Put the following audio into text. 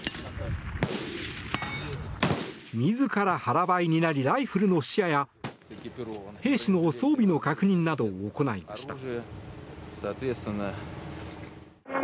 自ら腹ばいになりライフルの試射や兵士の装備の確認など行いました。